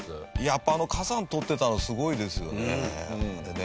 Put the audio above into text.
やっぱり火山撮ってたのすごいですよねあれね。